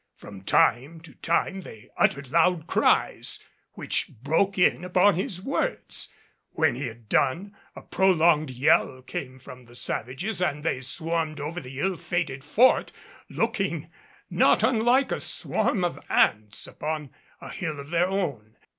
From time to time they uttered loud cries which broke in upon his words. When he had done, a prolonged yell came from the savages and they swarmed over the ill fated Fort, looking not unlike a swarm of ants upon a hill of their own.